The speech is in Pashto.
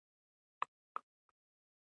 د روغتيا حالت يې خراب شو.